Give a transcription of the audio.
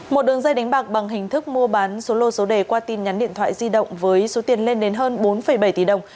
một đường dây đánh bạc bằng hình thức mua bán số lô số đề qua tin nhắn điện thoại di động với số tiền lên đến hơn bốn bảy tỷ đồng